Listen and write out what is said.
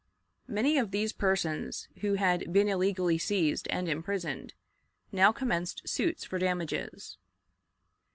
Many of these persons who had been illegally seized and imprisoned now commenced suits for damages.